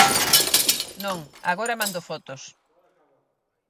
Non, agora mando fotos.